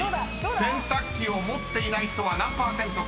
［洗濯機を持っていない人は何％か］